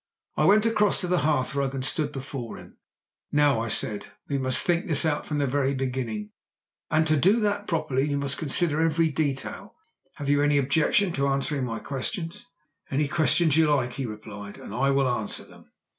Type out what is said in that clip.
I went across to the hearthrug and stood before him. "Now," I said, "we must think this out from the very beginning, and to do that properly we must consider every detail. Have you any objection to answering my questions?" "Ask any questions you like," he replied, "and I will answer them."